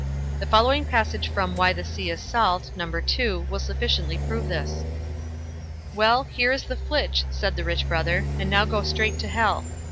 The following passage from "Why the Sea is Salt", No. ii, will sufficiently prove this: "Well, here is the flitch", said the rich brother, "and now go straight to Hell."